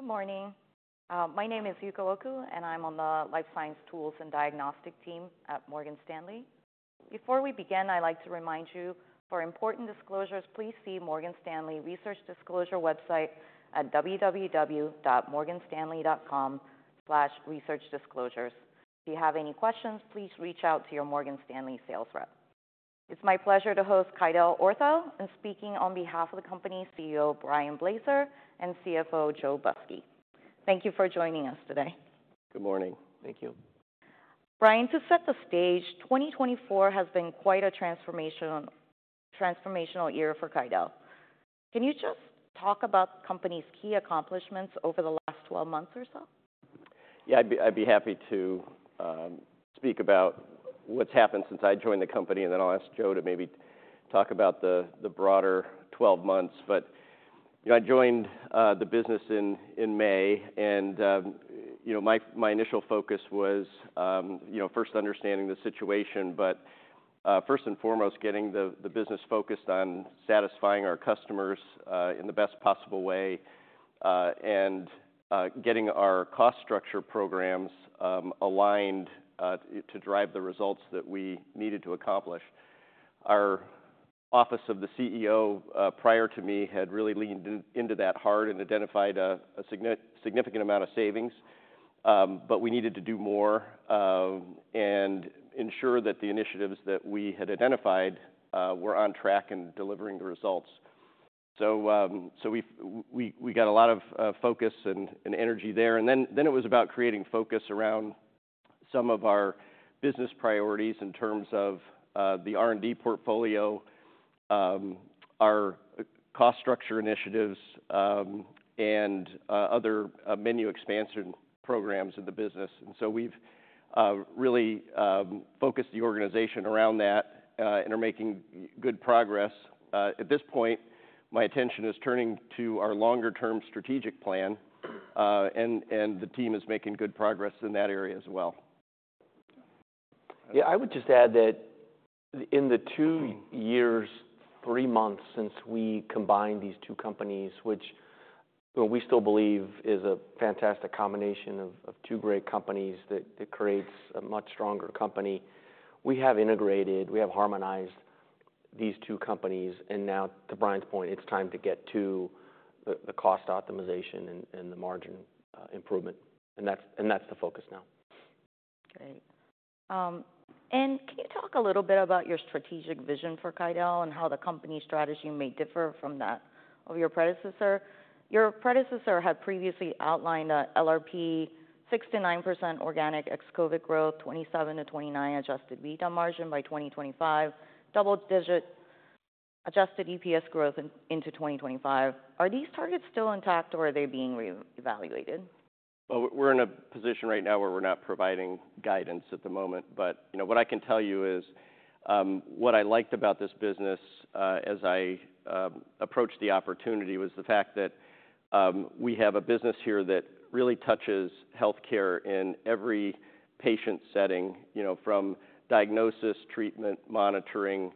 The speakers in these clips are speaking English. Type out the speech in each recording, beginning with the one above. Good morning. My name is Yuka Oku, and I'm on the Life Science Tools and Diagnostics team at Morgan Stanley. Before we begin, I'd like to remind you, for important disclosures, please see Morgan Stanley Research Disclosure website at www.morganstanley.com/researchdisclosures. If you have any questions, please reach out to your Morgan Stanley sales rep. It's my pleasure to host QuidelOrtho, and speaking on behalf of the company, CEO Brian Blaser and CFO Joe Busky. Thank you for joining us today. Good morning. Thank you. Brian, to set the stage, 2024 has been quite a transformational year for Quidel. Can you just talk about the company's key accomplishments over the last 12 months or so? Yeah, I'd be happy to speak about what's happened since I joined the company, and then I'll ask Joe to maybe talk about the broader twelve months. But, you know, I joined the business in May, and, you know, my initial focus was, you know, first understanding the situation, but first and foremost, getting the business focused on satisfying our customers in the best possible way, and getting our cost structure programs aligned to drive the results that we needed to accomplish. Our Office of the CEO prior to me had really leaned into that hard and identified a significant amount of savings, but we needed to do more, and ensure that the initiatives that we had identified were on track in delivering the results. So we've got a lot of focus and energy there. And then it was about creating focus around some of our business priorities in terms of the R&D portfolio, our cost structure initiatives, and other menu expansion programs in the business. And so we've really focused the organization around that and are making good progress. At this point, my attention is turning to our longer-term strategic plan, and the team is making good progress in that area as well. Yeah, I would just add that in the two years, three months since we combined these two companies, which we still believe is a fantastic combination of two great companies that creates a much stronger company. We have integrated, we have harmonized these two companies, and now, to Brian's point, it's time to get to the cost optimization and the margin improvement, and that's the focus now. Great. And can you talk a little bit about your strategic vision for Quidel and how the company's strategy may differ from that of your predecessor? Your predecessor had previously outlined a LRP 6-9% organic ex-COVID growth, 27-29% adjusted EBITDA margin by 2025, double-digit adjusted EPS growth into 2025. Are these targets still intact, or are they being re-evaluated? Well, we're in a position right now where we're not providing guidance at the moment, but, you know, what I can tell you is, what I liked about this business, as I approached the opportunity, was the fact that, we have a business here that really touches healthcare in every patient setting, you know, from diagnosis, treatment, monitoring,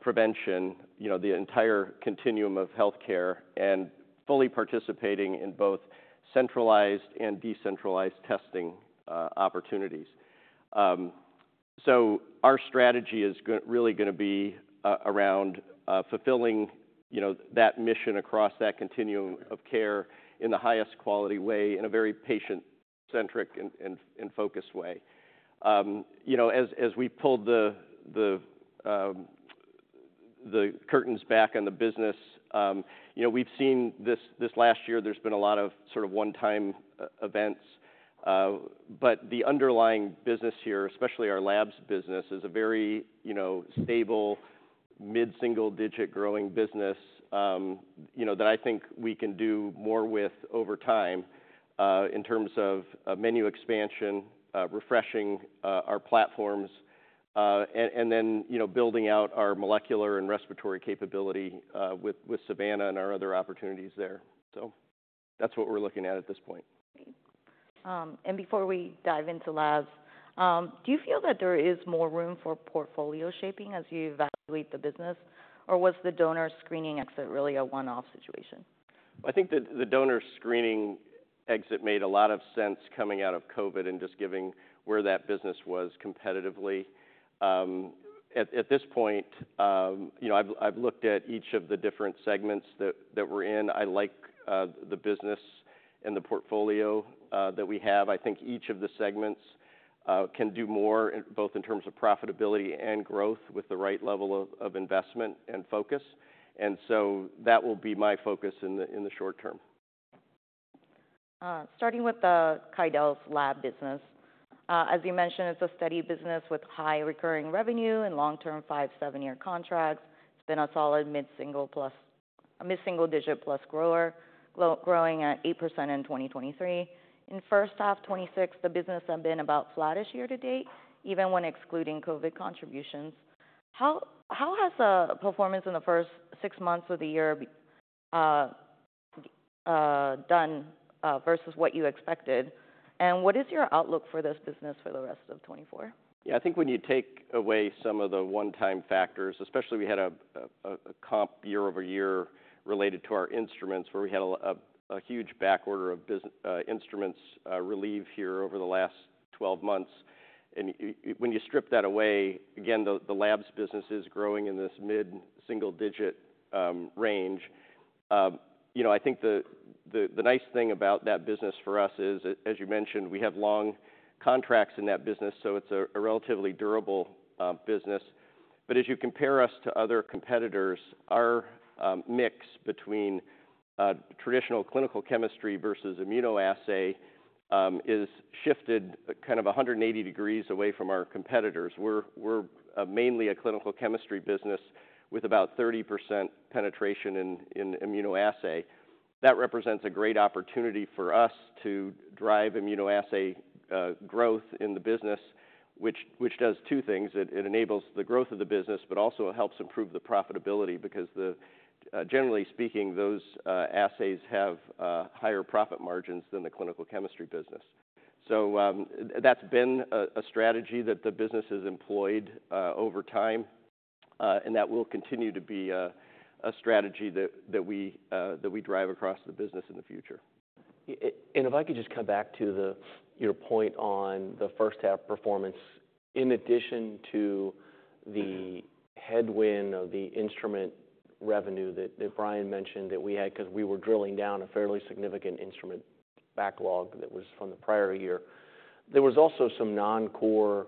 prevention, you know, the entire continuum of healthcare, and fully participating in both centralized and decentralized testing, opportunities. So our strategy is really gonna be around, fulfilling, you know, that mission across that continuum of care in the highest quality way, in a very patient-centric and focus way. You know, as we pulled the curtains back on the business, you know, we've seen this last year, there's been a lot of sort of one-time events, but the underlying business here, especially our labs business, is a very, you know, stable, mid-single-digit growing business, you know, that I think we can do more with over time, in terms of menu expansion, refreshing our platforms, and then, you know, building out our molecular and respiratory capability, with Savanna and our other opportunities there. So that's what we're looking at at this point. And before we dive into labs, do you feel that there is more room for portfolio shaping as you evaluate the business, or was the donor screening exit really a one-off situation? I think that the donor screening exit made a lot of sense coming out of COVID and just giving where that business was competitively. At this point, you know, I've looked at each of the different segments that we're in. I like the business and the portfolio that we have. I think each of the segments can do more, both in terms of profitability and growth, with the right level of investment and focus, and so that will be my focus in the short term. Starting with the Quidel's lab business. As you mentioned, it's a steady business with high recurring revenue and long-term five, seven-year contracts. It's been a solid mid-single plus a mid-single digit plus grower, growing at 8% in 2023. In first half 2024, the business has been about flattish year to date, even when excluding COVID contributions. How has the performance in the first six months of the year done versus what you expected? And what is your outlook for this business for the rest of 2024? Yeah, I think when you take away some of the one-time factors, especially, we had a comp year-over-year related to our instruments, where we had a huge backorder of instruments relieved over the last twelve months. And when you strip that away, again, the labs business is growing in this mid-single digit range. You know, I think the nice thing about that business for us is, as you mentioned, we have long contracts in that business, so it's a relatively durable business. But as you compare us to other competitors, our mix between traditional clinical chemistry versus immunoassay is shifted kind of a hundred and eighty degrees away from our competitors. We're mainly a clinical chemistry business with about 30% penetration in immunoassay. That represents a great opportunity for us to drive immunoassay growth in the business, which does two things: It enables the growth of the business, but also helps improve the profitability, because generally speaking, those assays have higher profit margins than the clinical chemistry business. So, that's been a strategy that the business has employed over time, and that will continue to be a strategy that we drive across the business in the future. And if I could just come back to your point on the first half performance. In addition to the headwind of the instrument revenue that Brian mentioned that we had, 'cause we were drilling down a fairly significant instrument backlog that was from the prior year, there was also some non-core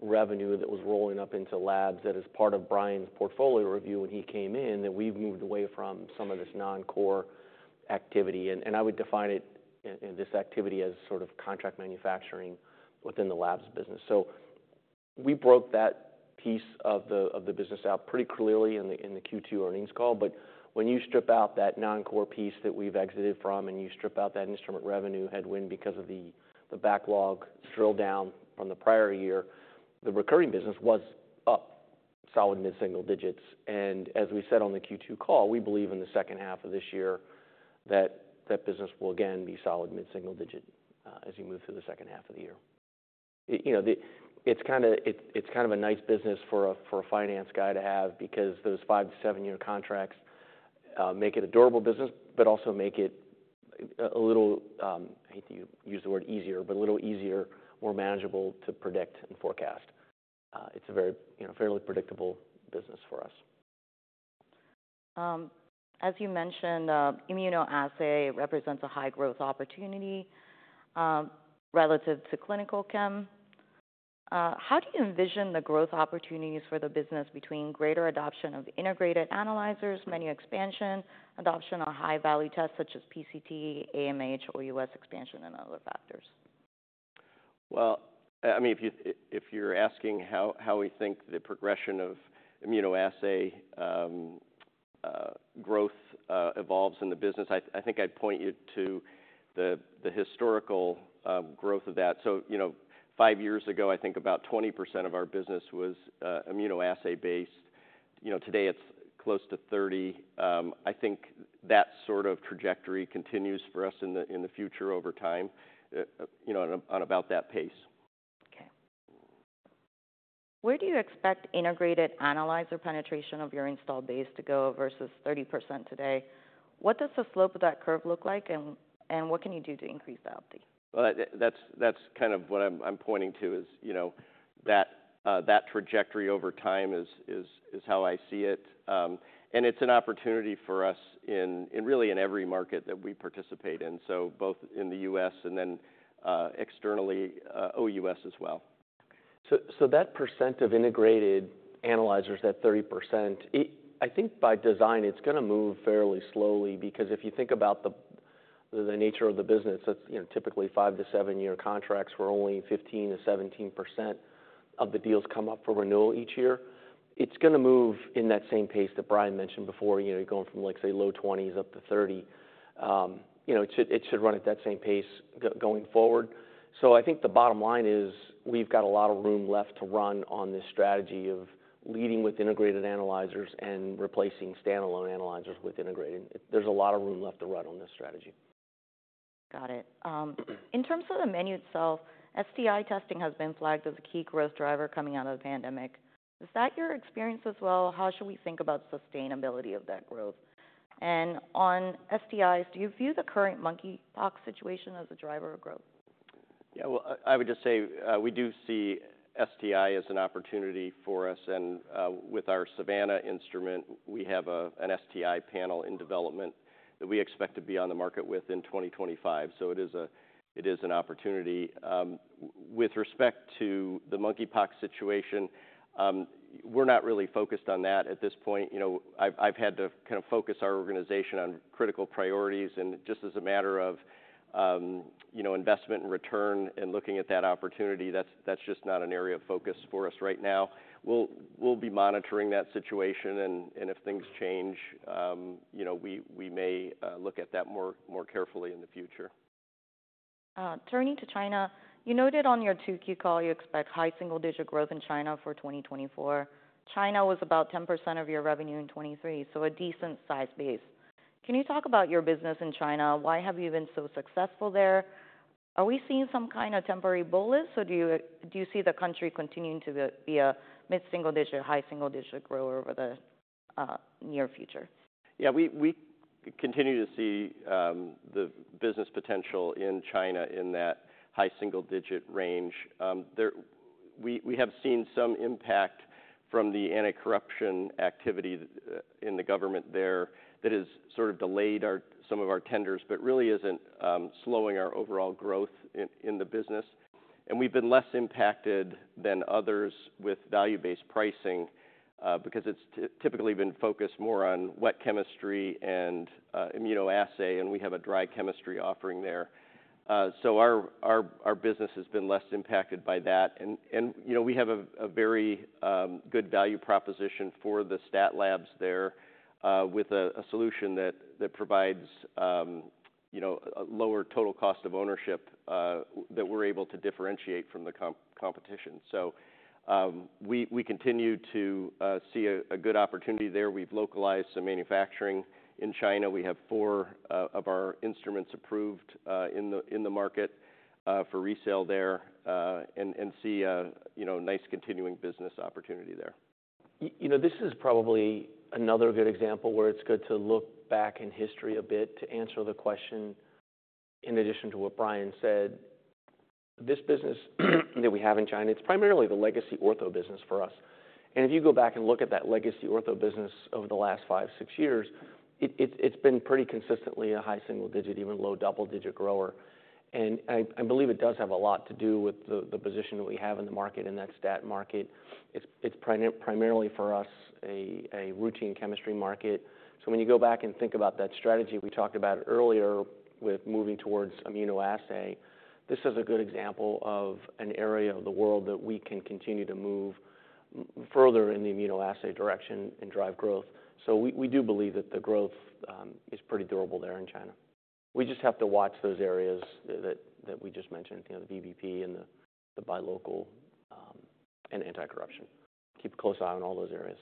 revenue that was rolling up into labs that as part of Brian's portfolio review, when he came in, that we've moved away from some of this non-core activity. And I would define it, this activity, as sort of contract manufacturing within the labs business. So we broke that piece of the business out pretty clearly in the Q2 earnings call. But when you strip out that non-core piece that we've exited from, and you strip out that instrument revenue headwind because of the backlog drill down from the prior year, the recurring business was up solid mid-single digits. As we said on the Q2 call, we believe in the second half of this year, that that business will again be solid mid-single digit as you move through the second half of the year. You know, it's kind of a nice business for a finance guy to have, because those five to seven-year contracts make it a durable business, but also make it a little easier. I hate to use the word easier, but a little easier, more manageable to predict and forecast. It's a very, you know, fairly predictable business for us. As you mentioned, immunoassay represents a high growth opportunity, relative to clinical chem. How do you envision the growth opportunities for the business between greater adoption of integrated analyzers, menu expansion, adoption of high-value tests, such as PCT, AMH, or U.S. expansion, and other factors? Well, I mean, if you're asking how we think the progression of immunoassay growth evolves in the business, I think I'd point you to the historical growth of that. So, you know, five years ago, I think about 20% of our business was immunoassay based. You know, today it's close to 30%. I think that sort of trajectory continues for us in the future over time, you know, on about that pace. Okay. Where do you expect integrated analyzer penetration of your installed base to go versus 30% today? What does the slope of that curve look like, and what can you do to increase the uptake? That's kind of what I'm pointing to is, you know, that trajectory over time is how I see it. It's an opportunity for us in really every market that we participate in, so both in the US and then externally, OUS as well. That 30% of integrated analyzers, I think by design, it's gonna move fairly slowly, because if you think about the nature of the business, it's, you know, typically five- to seven-year contracts, where only 15%-17% of the deals come up for renewal each year. It's gonna move in that same pace that Brian mentioned before, you know, going from, like, say, low 20s up to 30%. You know, it should run at that same pace going forward. So I think the bottom line is, we've got a lot of room left to run on this strategy of leading with integrated analyzers and replacing standalone analyzers with integrated. There's a lot of room left to run on this strategy. Got it. In terms of the menu itself, STI testing has been flagged as a key growth driver coming out of the pandemic. Is that your experience as well? How should we think about sustainability of that growth? And on STIs, do you view the current monkeypox situation as a driver of growth? Yeah, well, I would just say we do see STI as an opportunity for us. And with our Savanna instrument, we have an STI panel in development that we expect to be on the market with in twenty twenty-five. So it is an opportunity. With respect to the monkeypox situation, we're not really focused on that at this point. You know, I've had to kind of focus our organization on critical priorities, and just as a matter of you know, investment and return and looking at that opportunity, that's just not an area of focus for us right now. We'll be monitoring that situation, and if things change, you know, we may look at that more carefully in the future. Turning to China, you noted on your 2Q call, you expect high single-digit growth in China for 2024. China was about 10% of your revenue in 2023, so a decent size base. Can you talk about your business in China? Why have you been so successful there? Are we seeing some kind of temporary bullish, or do you see the country continuing to be a mid-single digit, high single-digit grower over the near future? Yeah, we continue to see the business potential in China in that high single-digit range. We have seen some impact from the anti-corruption activity in the government there that has sort of delayed our some of our tenders, but really isn't slowing our overall growth in the business. And we've been less impacted than others with value-based pricing because it's typically been focused more on wet chemistry and immunoassay, and we have a dry chemistry offering there. So our business has been less impacted by that. And you know, we have a very good value proposition for the stat labs there with a solution that provides you know, a lower total cost of ownership that we're able to differentiate from the competition. We continue to see a good opportunity there. We've localized some manufacturing in China. We have four of our instruments approved in the market for resale there, and see a, you know, nice continuing business opportunity there. You know, this is probably another good example where it's good to look back in history a bit to answer the question, in addition to what Brian said. This business, that we have in China, it's primarily the legacy Ortho business for us. And if you go back and look at that legacy Ortho business over the last five, six years, it's been pretty consistently a high single-digit, even low double-digit grower. And I believe it does have a lot to do with the position that we have in the market, in that stat market. It's primarily for us, a routine chemistry market. When you go back and think about that strategy we talked about earlier with moving towards immunoassay, this is a good example of an area of the world that we can continue to move further in the immunoassay direction and drive growth. We do believe that the growth is pretty durable there in China. We just have to watch those areas that we just mentioned, you know, the VBP and the buy local and anti-corruption. Keep a close eye on all those areas.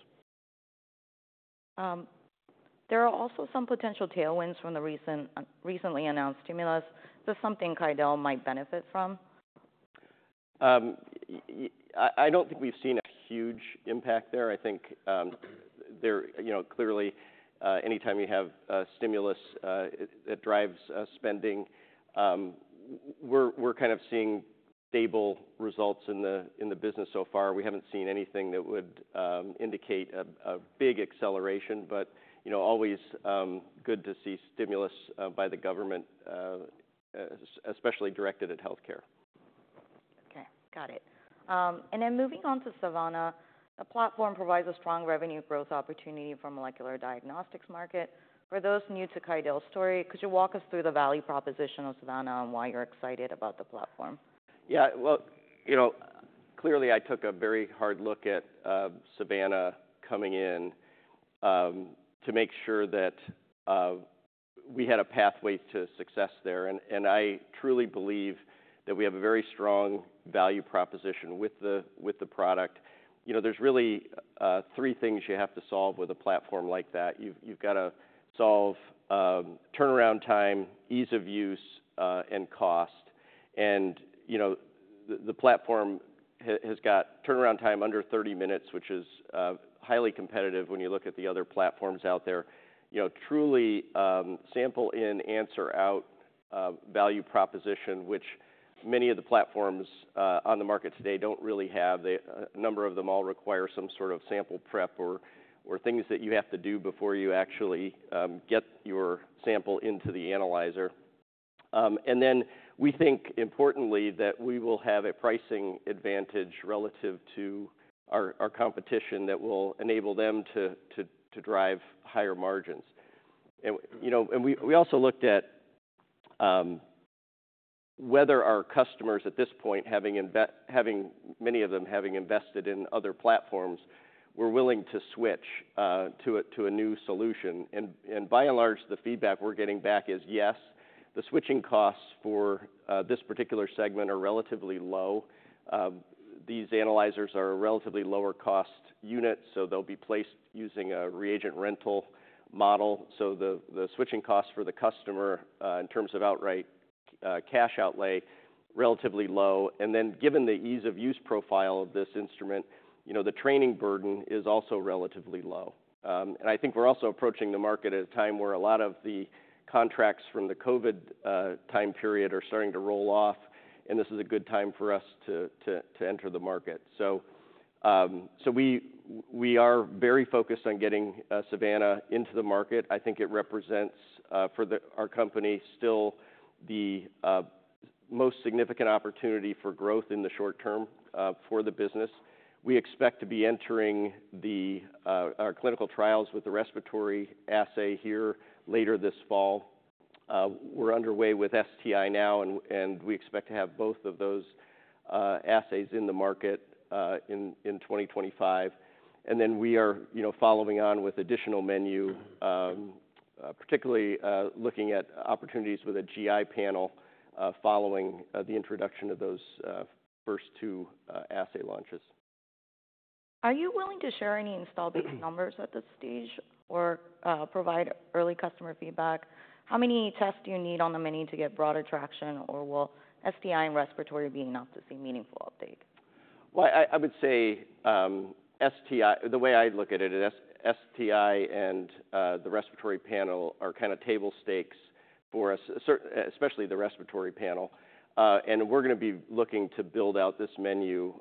There are also some potential tailwinds from the recent, recently announced stimulus. Is this something Quidel might benefit from? I don't think we've seen a huge impact there. I think, you know, clearly, anytime you have a stimulus that drives spending, we're kind of seeing stable results in the business so far. We haven't seen anything that would indicate a big acceleration, but, you know, always good to see stimulus by the government, especially directed at healthcare. Okay, got it. And then moving on to Savanna, the platform provides a strong revenue growth opportunity for molecular diagnostics market. For those new to Quidel story, could you walk us through the value proposition of Savanna and why you're excited about the platform? Yeah, well, you know, clearly I took a very hard look at Savanna coming in, to make sure that we had a pathway to success there, and I truly believe that we have a very strong value proposition with the product. You know, there's really three things you have to solve with a platform like that. You've got to solve turnaround time, ease of use, and cost. And, you know, the platform has got turnaround time under thirty minutes, which is highly competitive when you look at the other platforms out there. You know, truly, sample in, answer out value proposition, which many of the platforms on the market today don't really have. They... A number of them all require some sort of sample prep or things that you have to do before you actually get your sample into the analyzer. And then we think, importantly, that we will have a pricing advantage relative to our competition that will enable them to drive higher margins. And, you know, we also looked at whether our customers at this point, having many of them having invested in other platforms, were willing to switch to a new solution. And by and large, the feedback we're getting back is, yes, the switching costs for this particular segment are relatively low. These analyzers are a relatively lower cost unit, so they'll be placed using a reagent rental model. So the switching costs for the customer in terms of outright cash outlay relatively low. And then given the ease of use profile of this instrument, you know, the training burden is also relatively low. And I think we're also approaching the market at a time where a lot of the contracts from the COVID time period are starting to roll off, and this is a good time for us to enter the market. So we are very focused on getting Savanna into the market. I think it represents for our company still the most significant opportunity for growth in the short term for the business. We expect to be entering our clinical trials with the respiratory assay here later this fall. We're underway with STI now, and we expect to have both of those assays in the market in twenty twenty-five. And then we are, you know, following on with additional menu, particularly looking at opportunities with a GI panel, following the introduction of those first two assay launches. Are you willing to share any installed base numbers at this stage or, provide early customer feedback? How many tests do you need on the menu to get broad attraction, or will STI and respiratory be enough to see meaningful update? I would say STI, the way I look at it is STI and the respiratory panel are kind of table stakes for us, certainly especially the respiratory panel, and we're gonna be looking to build out this menu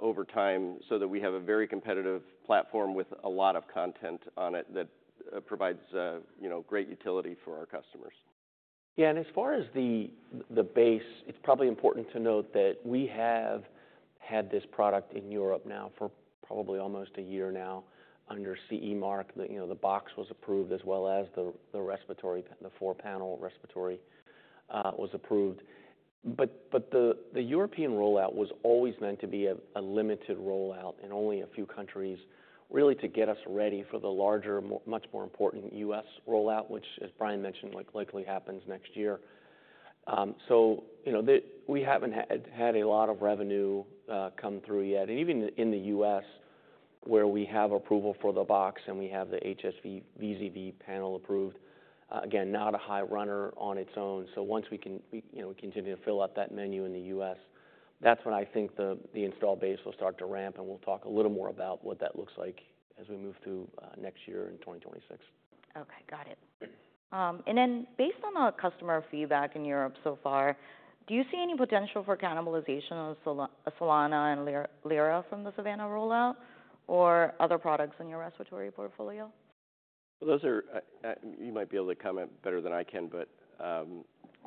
over time so that we have a very competitive platform with a lot of content on it that provides you know great utility for our customers. Yeah, and as far as the base, it's probably important to note that we have had this product in Europe now for probably almost a year now under CE Mark. You know, the box was approved as well as the respiratory, the four-panel respiratory, was approved. But the European rollout was always meant to be a limited rollout in only a few countries, really to get us ready for the larger, much more important U.S. rollout, which, as Brian mentioned, like, likely happens next year. So you know, we haven't had a lot of revenue come through yet. And even in the U.S., where we have approval for the box, and we have the HSV VZV panel approved, again, not a high runner on its own. So once we can, we, you know, continue to fill out that menu in the US, that's when I think the installed base will start to ramp, and we'll talk a little more about what that looks like as we move to next year in 2026. Okay, got it. And then based on the customer feedback in Europe so far, do you see any potential for cannibalization of Solana and Lyra from the Savanna rollout or other products in your respiratory portfolio? Those are... You might be able to comment better than I can, but,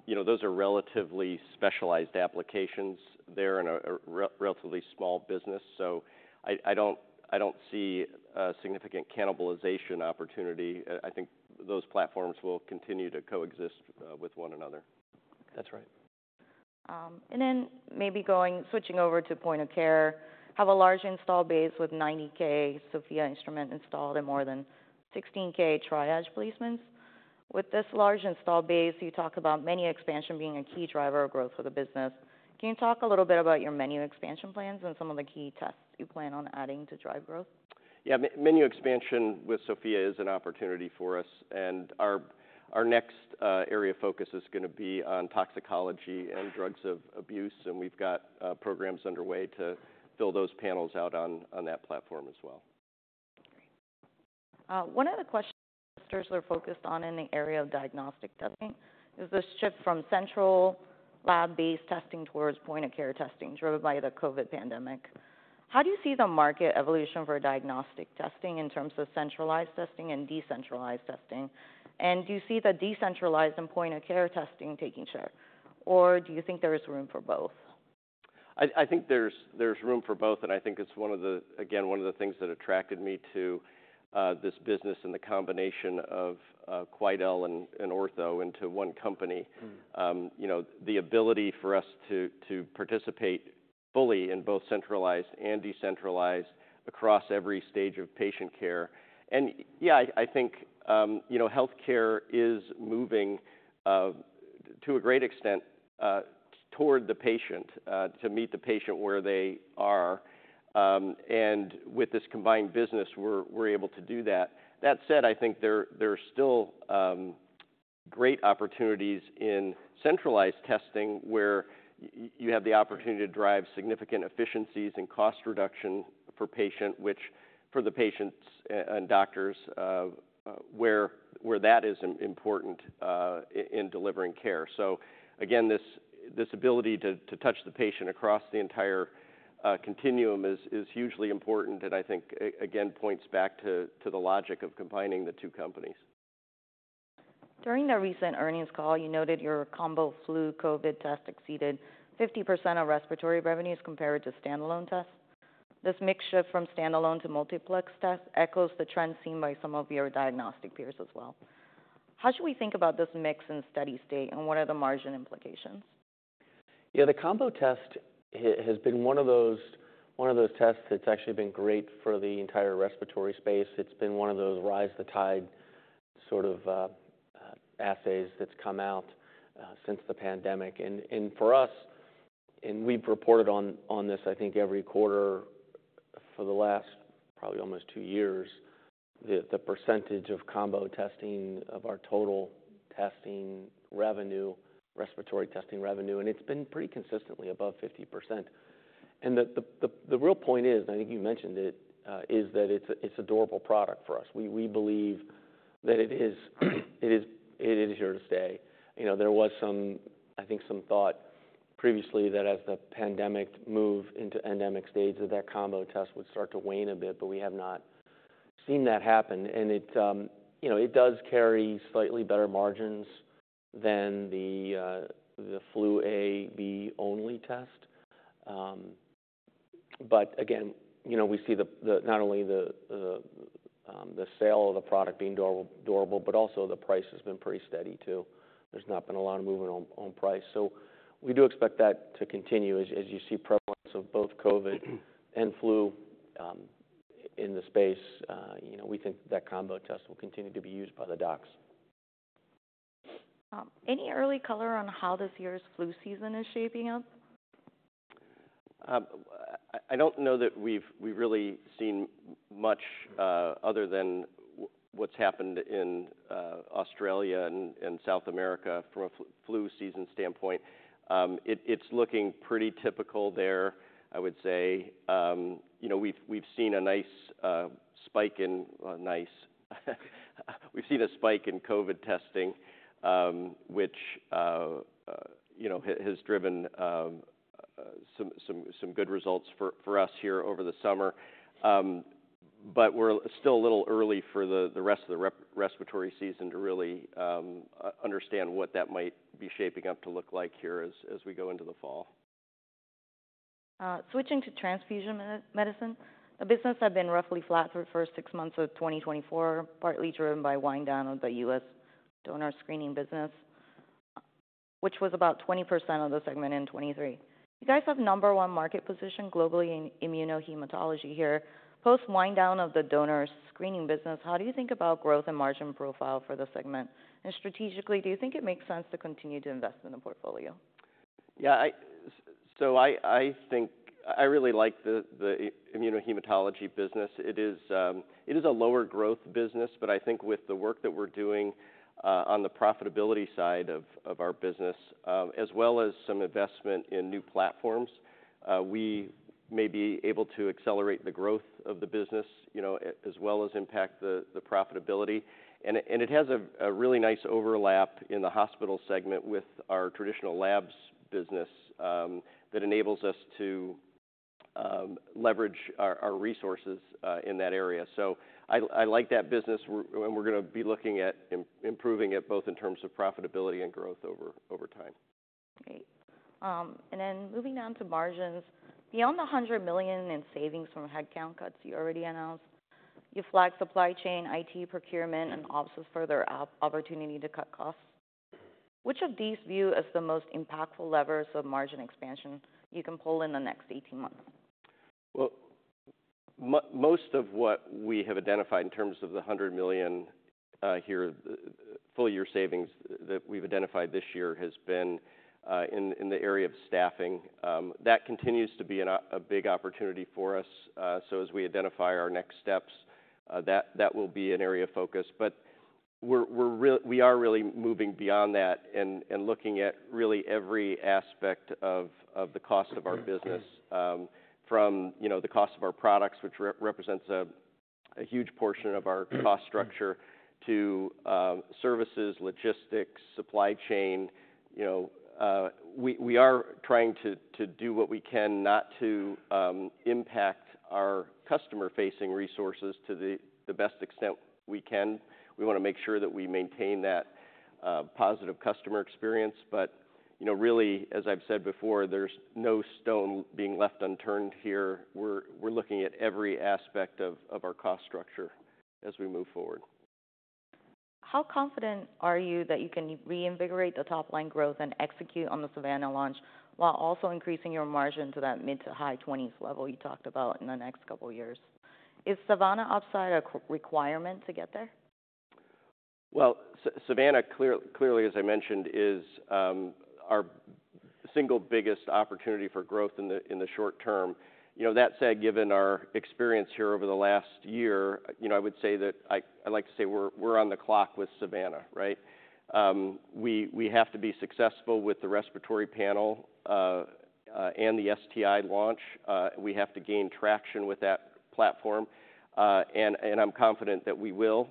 you know, those are relatively specialized applications. They're in a relatively small business, so I don't see a significant cannibalization opportunity. I think those platforms will continue to coexist with one another. That's right. And then maybe switching over to point-of-care, have a large installed base with 90K Sofia instrument installed and more than 16K Triage placements. With this large install base, you talk about menu expansion being a key driver of growth for the business. Can you talk a little bit about your menu expansion plans and some of the key tests you plan on adding to drive growth? Yeah, menu expansion with Sofia is an opportunity for us, and our next area of focus is gonna be on toxicology and drugs of abuse. And we've got programs underway to build those panels out on that platform as well. Great. One of the questions are focused on in the area of diagnostic testing is this shift from central lab-based testing towards point-of-care testing, driven by the COVID pandemic. How do you see the market evolution for diagnostic testing in terms of centralized testing and decentralized testing? And do you see the decentralized and point-of-care testing taking share, or do you think there is room for both? I think there's room for both, and I think it's one of the... again, one of the things that attracted me to this business and the combination of Quidel and Ortho into one company. Mm-hmm. you know, the ability for us to participate fully in both centralized and decentralized across every stage of patient care. Yeah, I think you know, healthcare is moving to a great extent toward the patient to meet the patient where they are. And with this combined business, we're able to do that. That said, I think there are still great opportunities in centralized testing, where you have the opportunity to drive significant efficiencies and cost reduction for patient, which for the patients and doctors, where that is important in delivering care. So again, this ability to touch the patient across the entire continuum is hugely important, and I think again points back to the logic of combining the two companies. During the recent earnings call, you noted your combo flu COVID test exceeded 50% of respiratory revenues compared to standalone tests. This mix shift from standalone to multiplex tests echoes the trend seen by some of your diagnostic peers as well. How should we think about this mix in steady state, and what are the margin implications? Yeah, the combo test has been one of those tests that's actually been great for the entire respiratory space. It's been one of those rise to the tide sort of assays that's come out since the pandemic. For us, we've reported on this, I think, every quarter for the last probably almost two years, the percentage of combo testing of our total testing revenue, respiratory testing revenue, and it's been pretty consistently above 50%. The real point is, and I think you mentioned it, is that it's a durable product for us. We believe that it is here to stay. You know, there was some, I think, some thought previously that as the pandemic moved into endemic stage, that that combo test would start to wane a bit, but we have not seen that happen, and it, you know, it does carry slightly better margins than the Flu A/B only test. ...But again, you know, we see not only the sale of the product being durable, but also the price has been pretty steady, too. There's not been a lot of movement on price. So we do expect that to continue. As you see prevalence of both COVID and flu in the space, you know, we think that combo test will continue to be used by the docs. Any early color on how this year's flu season is shaping up? I don't know that we've really seen much other than what's happened in Australia and South America from a flu season standpoint. It's looking pretty typical there, I would say. You know, we've seen a nice spike in COVID testing, which, you know, has driven some good results for us here over the summer. But we're still a little early for the rest of the respiratory season to really understand what that might be shaping up to look like here as we go into the fall. Switching to transfusion medicine. The business had been roughly flat for the first six months of 2024, partly driven by wind down of the U.S. donor screening business, which was about 20% of the segment in 2023. You guys have number one market position globally in immunohematology here. Post wind down of the donor screening business, how do you think about growth and margin profile for the segment? And strategically, do you think it makes sense to continue to invest in the portfolio? Yeah, so I think I really like the immunohematology business. It is a lower growth business, but I think with the work that we're doing on the profitability side of our business, as well as some investment in new platforms, we may be able to accelerate the growth of the business, you know, as well as impact the profitability. And it has a really nice overlap in the hospital segment with our traditional labs business that enables us to leverage our resources in that area. So I like that business, and we're gonna be looking at improving it, both in terms of profitability and growth over time. Great. And then moving on to margins. Beyond the $100 million in savings from headcount cuts you already announced, you flagged supply chain, IT, procurement, and also further opportunity to cut costs. Which of these do you view as the most impactful levers of margin expansion you can pull in the next 18 months? Most of what we have identified in terms of the $100 million full year savings that we've identified this year has been in the area of staffing. That continues to be a big opportunity for us. So as we identify our next steps, that will be an area of focus. But we're really moving beyond that and looking at really every aspect of the cost of our business, from, you know, the cost of our products, which represents a huge portion of our cost structure, to services, logistics, supply chain. You know, we are trying to do what we can not to impact our customer-facing resources to the best extent we can. We wanna make sure that we maintain that positive customer experience, but, you know, really, as I've said before, there's no stone being left unturned here. We're looking at every aspect of our cost structure as we move forward. How confident are you that you can reinvigorate the top-line growth and execute on the Savanna launch, while also increasing your margin to that mid to high twenties level you talked about in the next couple of years? Is Savanna upside a requirement to get there? Savanna, clearly, as I mentioned, is our single biggest opportunity for growth in the short term. You know, that said, given our experience here over the last year, you know, I would say that I'd like to say we're on the clock with Savanna, right? We have to be successful with the respiratory panel and the STI launch. We have to gain traction with that platform, and I'm confident that we will.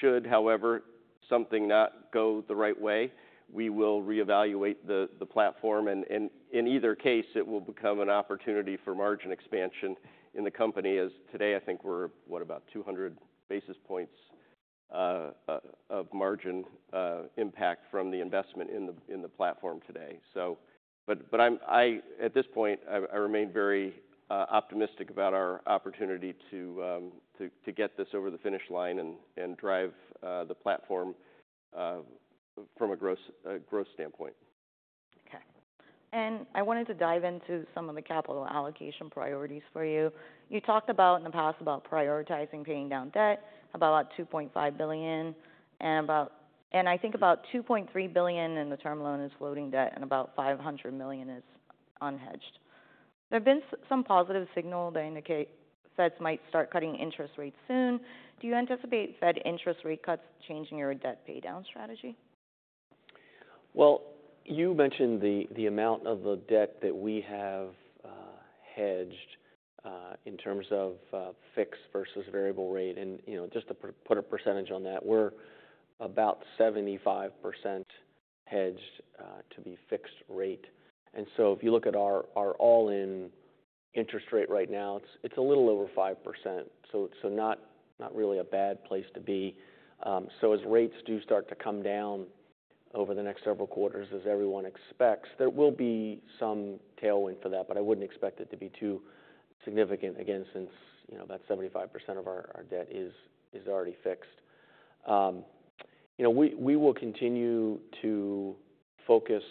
Should, however, something not go the right way, we will reevaluate the platform, and in either case, it will become an opportunity for margin expansion in the company, as today I think we're what about two hundred basis points of margin impact from the investment in the platform today. At this point, I remain very optimistic about our opportunity to get this over the finish line and drive the platform from a gross growth standpoint. Okay. And I wanted to dive into some of the capital allocation priorities for you. You talked about, in the past, about prioritizing paying down debt, about $2.5 billion, and I think about $2.3 billion in the term loan is floating debt, and about $500 million is unhedged. There have been some positive signal that indicate Feds might start cutting interest rates soon. Do you anticipate Fed interest rate cuts changing your debt paydown strategy? Well, you mentioned the amount of the debt that we have hedged in terms of fixed versus variable rate. And, you know, just to put a percentage on that, we're about 75% hedged to be fixed rate. And so if you look at our all-in interest rate right now, it's a little over 5%, so not really a bad place to be. So as rates do start to come down over the next several quarters, as everyone expects, there will be some tailwind for that, but I wouldn't expect it to be too significant, again, since, you know, about 75% of our debt is already fixed. You know, we will continue to focus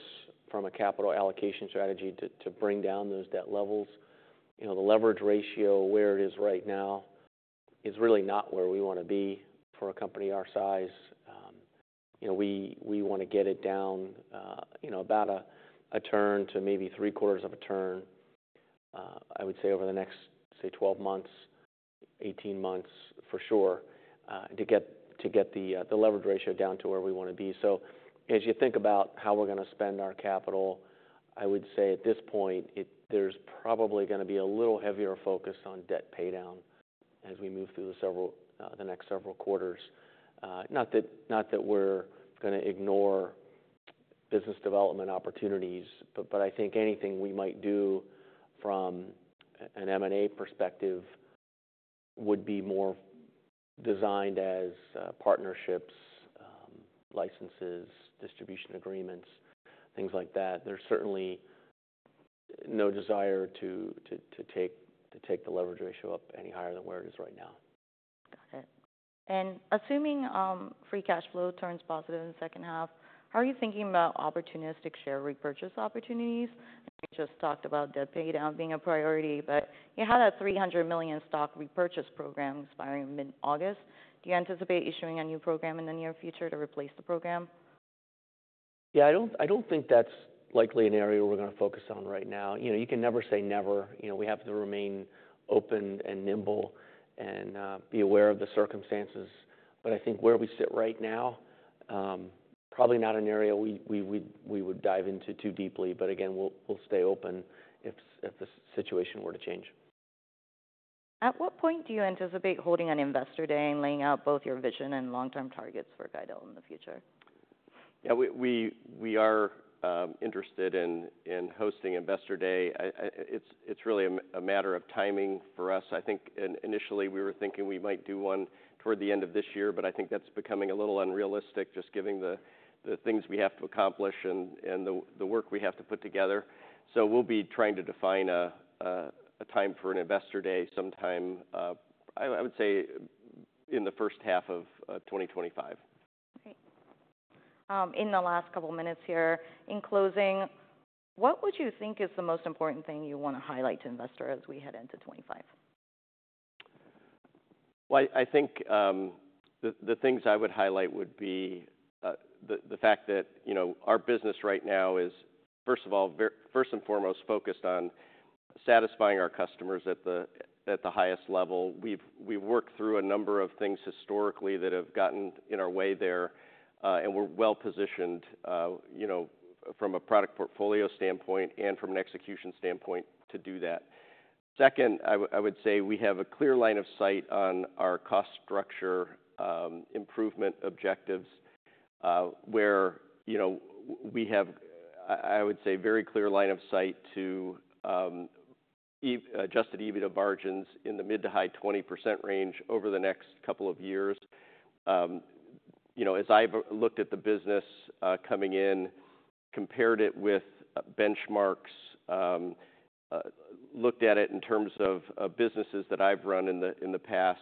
from a capital allocation strategy to bring down those debt levels. You know, the leverage ratio, where it is right now, is really not where we want to be for a company our size. You know, we wanna get it down, you know, about a turn to maybe three-quarters of a turn, I would say over the next, say, twelve months, eighteen months, for sure, to get the leverage ratio down to where we wanna be. So as you think about how we're gonna spend our capital, I would say at this point, it, there's probably gonna be a little heavier focus on debt paydown as we move through the next several quarters. Not that we're gonna ignore business development opportunities, but I think anything we might do from an M&A perspective would be more designed as partnerships, licenses, distribution agreements, things like that. There's certainly no desire to take the leverage ratio up any higher than where it is right now. Got it. And assuming free cash flow turns positive in the second half, how are you thinking about opportunistic share repurchase opportunities? You just talked about debt paydown being a priority, but you had a $300 million stock repurchase program expiring mid-August. Do you anticipate issuing a new program in the near future to replace the program? Yeah, I don't think that's likely an area we're gonna focus on right now. You know, you can never say never. You know, we have to remain open and nimble and, be aware of the circumstances. But I think where we sit right now, probably not an area we would dive into too deeply, but again, we'll stay open if the situation were to change. At what point do you anticipate holding an Investor Day and laying out both your vision and long-term targets for Quidel in the future? Yeah, we are interested in hosting Investor Day. It's really a matter of timing for us. I think initially, we were thinking we might do one toward the end of this year, but I think that's becoming a little unrealistic, just given the things we have to accomplish and the work we have to put together. So we'll be trying to define a time for an Investor Day sometime, I would say, in the first half of 2025. Okay. In the last couple minutes here, in closing, what would you think is the most important thing you want to highlight to investors as we head into 2025? I think the things I would highlight would be the fact that, you know, our business right now is, first of all, first and foremost, focused on satisfying our customers at the highest level. We've worked through a number of things historically that have gotten in our way there, and we're well-positioned, you know, from a product portfolio standpoint and from an execution standpoint to do that. Second, I would say we have a clear line of sight on our cost structure improvement objectives, where, you know, we have, I would say, very clear line of sight to Adjusted EBITDA margins in the mid- to high-20% range over the next couple of years. You know, as I've looked at the business, coming in, compared it with benchmarks, looked at it in terms of businesses that I've run in the past,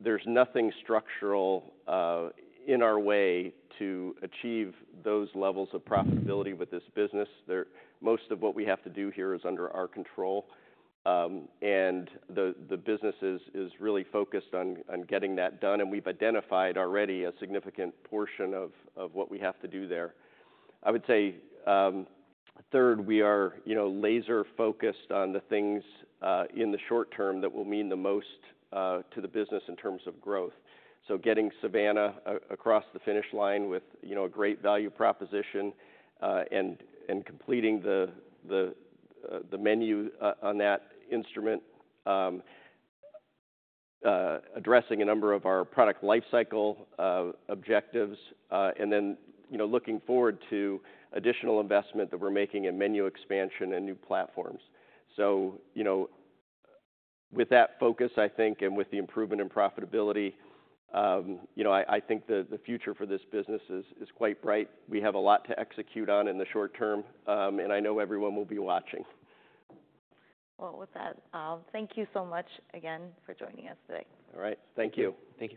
there's nothing structural in our way to achieve those levels of profitability with this business. Most of what we have to do here is under our control, and the business is really focused on getting that done, and we've identified already a significant portion of what we have to do there. I would say, third, we are, you know, laser-focused on the things in the short term that will mean the most to the business in terms of growth. So getting Savanna across the finish line with, you know, a great value proposition, and completing the menu on that instrument, addressing a number of our product lifecycle objectives, and then, you know, looking forward to additional investment that we're making in menu expansion and new platforms. So, you know, with that focus, I think, and with the improvement in profitability, you know, I think the future for this business is quite bright. We have a lot to execute on in the short term, and I know everyone will be watching. With that, thank you so much again for joining us today. All right. Thank you. Thank you.